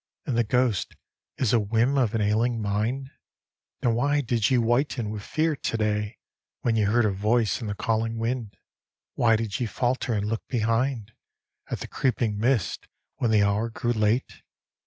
And the ghost is a whim of an ailing mind J Then why did ye whiten with fear to day When ye heard a voice in the calling wind? Why did ye falter and look behind? At the creeping mists when the hour grew late?